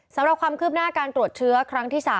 สำหรับความคืบหน้าการตรวจเชื้อครั้งที่๓